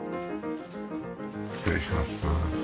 失礼します。